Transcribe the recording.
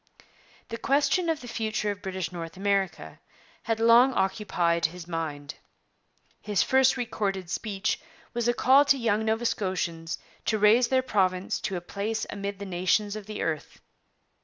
' The question of the future of British North America had long occupied his mind. His first recorded speech was a call to young Nova Scotians to raise their province to a place amid the nations of the earth.